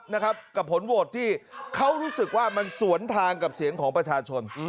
นะครับกับผลโหวตที่เขารู้สึกว่ามันสวนทางกับเสียงของประชาชน